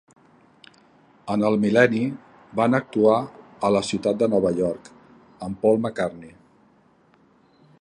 En el mil·lenni, van actuar a la ciutat de Nova York amb Paul MacCartney.